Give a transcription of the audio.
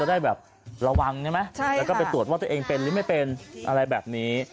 อะไรแบบนี้